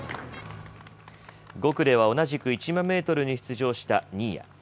５区では同じく１万メートルに出場した新谷。